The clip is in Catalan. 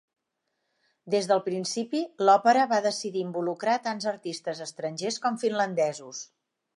Des del principi, l'òpera va decidir involucrar tant artistes estrangers com finlandesos.